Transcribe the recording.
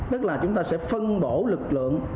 tức là chúng ta sẽ phân bổ lực lượng